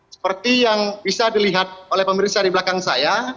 seperti yang bisa dilihat oleh pemirsa di belakang saya